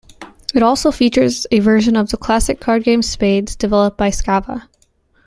It also features a version of the classic card game Spades, developed by Skava.